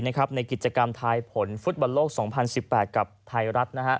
ในกิจกรรมทายผลฟุตบอลโลก๒๐๑๘กับไทยรัฐ